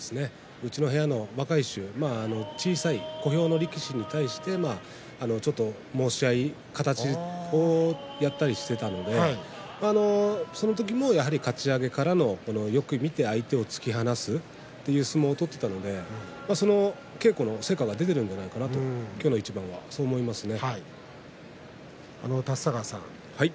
うちの部屋の若い衆、小さい小兵の力士に対してちょっと申し合い、形をやったりしていたのでその時のかち上げからのよく見て相手を突き放すという相撲を取っていたのでその稽古の成果が出ているんじゃないかなと今日の一番はそう思いますね。